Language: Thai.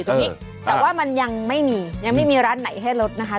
ตรงนี้แต่ว่ามันยังไม่มียังไม่มีร้านไหนให้ลดนะคะ